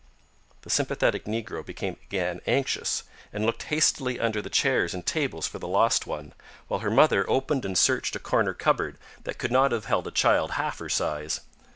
The sympathetic negro became again anxious, and looked hastily under the chairs and tables for the lost one, while her mother opened and searched a corner cupboard that could not have held a child half her size.